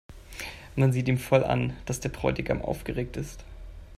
Man sieht ihm voll an, dass der Bräutigam aufgeregt ist.